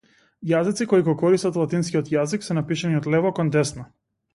Јазици кои го користат латинскиот јазик се напишани од лево кон десно.